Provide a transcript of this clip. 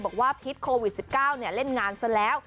บอกว่าภิกษ์โควิด๑๙เล่นงานซะแล้ว